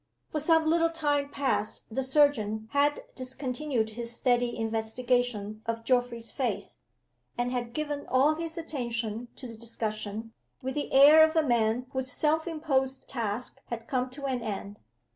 For some little time past the surgeon had discontinued his steady investigation of Geoffrey's face, and had given all his attention to the discussion, with the air of a man whose self imposed task had come to an end.